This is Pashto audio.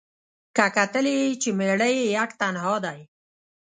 که کتل یې چي مېړه یې یک تنها دی